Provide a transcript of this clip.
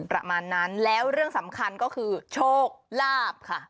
ประมาณนั้นแล้วเรื่องสำคัญก็คือโชคลาภค่ะ